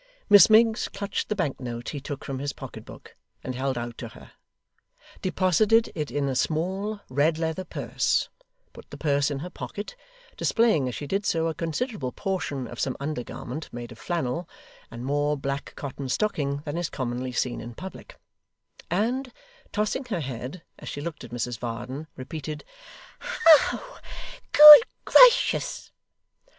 Miss Miggs clutched the bank note he took from his pocket book and held out to her; deposited it in a small, red leather purse; put the purse in her pocket (displaying, as she did so, a considerable portion of some under garment, made of flannel, and more black cotton stocking than is commonly seen in public); and, tossing her head, as she looked at Mrs Varden, repeated 'Ho, good gracious!